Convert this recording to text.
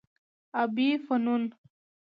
ابي فنون